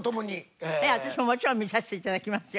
ええ私ももちろん見させて頂きますよ。